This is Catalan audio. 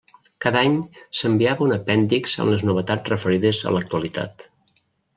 Cada any s'enviava un apèndix amb les novetats referides a l'actualitat.